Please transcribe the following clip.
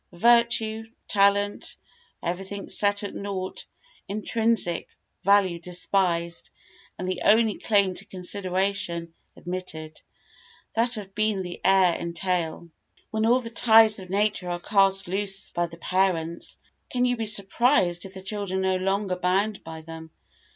Virtue, talent, everything set at naught intrinsic value despised and the only claim to consideration admitted, that of being the heir entail. When all the ties of nature are cast loose by the parents, can you be surprised if the children are no longer bound by them?